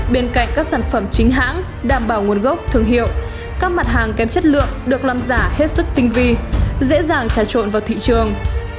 bên cạnh các sản phẩm chính hãng đảm bảo nguồn gốc thương hiệu các mặt hàng kém chất lượng được làm giả hết sức tinh vi dễ dàng trả trộn vào thị trường